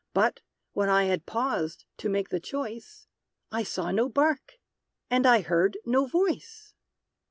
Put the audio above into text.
But, when I had paused to make the choice, I saw no bark! and I heard no voice!